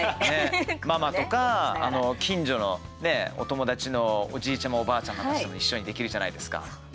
ママとか近所のお友達のおじいちゃまおばあちゃまたちとも一緒にできるじゃないですか。